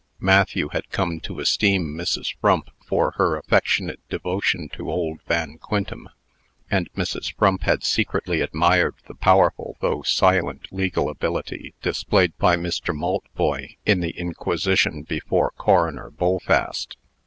Matthew had come to esteem Mrs. Frump for her affectionate devotion to old Van Quintem; and Mrs. Frump had secretly admired the powerful though silent legal ability displayed by Mr. Maltboy in the inquisition before Coroner Bullfast.